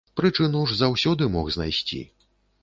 Прычыну ж заўсёды мог знайсці.